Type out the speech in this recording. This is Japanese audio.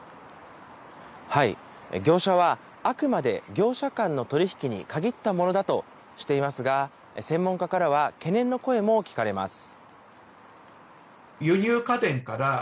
業者はあくまで業者間の取り引きに限ったものだとしていますが、専門家からは懸念の声も聞かれます。